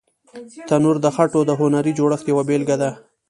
تنور د خټو د هنري جوړښت یوه بېلګه ده